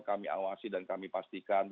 kami awasi dan kami pastikan